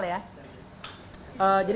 jadi apa yang terjadi